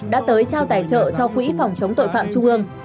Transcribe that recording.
đã tới trao tài trợ cho quỹ phòng chống tội phạm trung ương